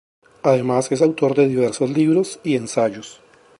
Además es autor de diversos libros y ensayos.